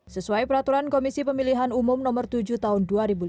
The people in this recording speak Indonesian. sesuai peraturan komisi pemilihan umum no tujuh tahun dua ribu lima belas